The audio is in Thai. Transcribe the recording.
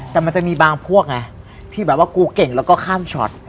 แต่มันจะมีบางพวกไงที่แบบว่ากูเก่งแล้วก็ข้ามช็อต